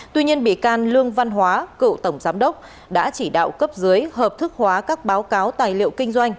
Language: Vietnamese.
tuy nhiên bị can lương văn hóa cựu tổng giám đốc đã chỉ đạo cấp dưới hợp thức hóa các báo cáo tài liệu kinh doanh